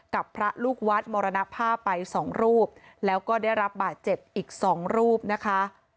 กับพระลูกวัดมรณภาพไป๒รูปแล้วก็ได้รับบาท๗อีก๒รูปนะคะ